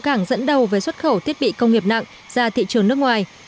cảng dẫn đầu với xuất khẩu thiết bị công nghiệp nặng ra thị trường nước ngoài